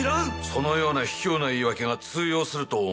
そのような卑怯な言い訳が通用するとお思いか？